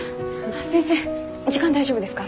先生時間大丈夫ですか？